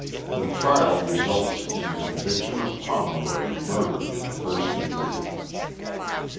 TIIE TRIAL RESULTS IN THE CONVICTION OF POMEROY OF MURDER IN TIIE FIRST DEGREE.